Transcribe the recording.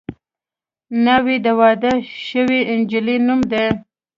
ناوې د واده شوې نجلۍ نوم دی